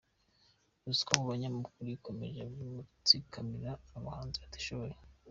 “Ruswa mu banyamakuru ikomeje gutsikamira abahanzi batishoboye”